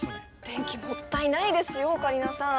電気もったいないですよオカリナさん。